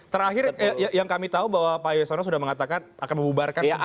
terakhir yang kami tahu bahwa pak yasona sudah mengatakan akan membubarkan semua nama nama